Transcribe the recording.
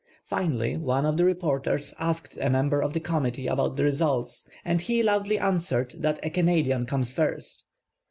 Finally, one of the reporters asked a member of the committee about the results and he loudly answered that a Canadian comes first.